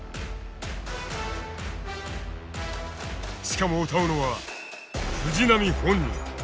しかも歌うのは藤波本人。